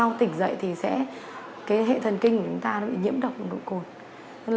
trong tỉnh dậy thì hệ thần kinh của chúng ta sẽ bị nhiễm độc nồng độ cồn